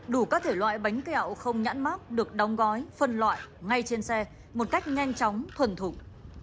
đủ các thể loại bánh kẹo không nhãn mát được đóng gói phân loại ngay trên xe một cách nhanh chóng thuần thục